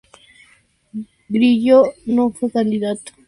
Grillo no fue candidato.